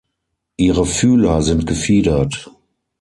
Ihre Fühler sind gefiedert.